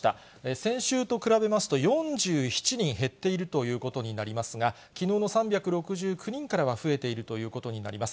先週と比べますと、４７人減っているということになりますが、きのうの３６９人からは増えているということになります。